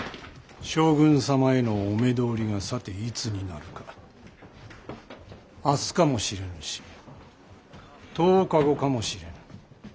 将軍様へのお目通りがさていつになるか明日かもしれぬし１０日後かもしれぬ。